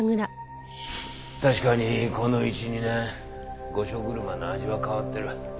確かにこの１２年御所車の味は変わってる。